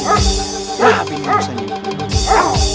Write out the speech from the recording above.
eh si markum